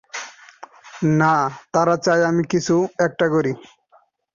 না, তারা চায় আমি কিছু একটা করি।